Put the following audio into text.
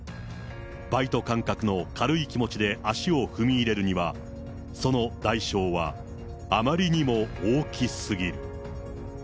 バイト感覚の軽い気持ちで足を踏み入れるには、その代償はあまりにも大きすぎる。